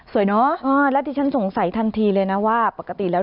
เนอะแล้วที่ฉันสงสัยทันทีเลยนะว่าปกติแล้ว